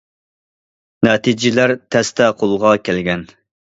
نەتىجىلەر تەستە قولغا كەلگەن.